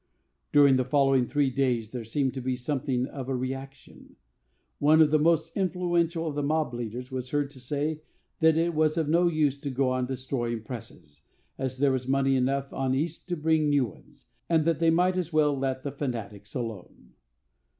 During the following three days there seemed to be something of a reäction. One of the most influential of the mob leaders was heard to say that it was of no use to go on destroying presses, as there was money enough on East to bring new ones, and that they might as well let the fanatics alone.